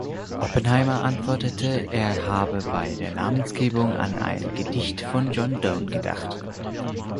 Oppenheimer antwortete, er habe bei der Namensgebung an ein Gedicht von John Donne gedacht.